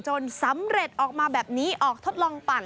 สำเร็จออกมาแบบนี้ออกทดลองปั่น